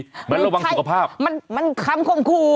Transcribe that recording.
เหมือนระวังสุขภาพมันคำคมคู่